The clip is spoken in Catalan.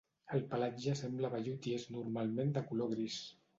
El pelatge sembla vellut i és normalment de color gris.